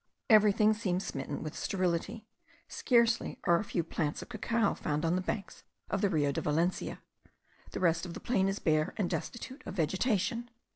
Everything seems smitten with sterility; scarcely are a few plants of cacao found on the banks of the Rio de Valencia; the rest of the plain is bare, and destitute of vegetation.